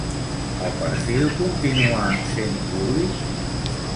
El perfil continua sent públic?